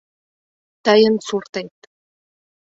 — Тыйын суртет.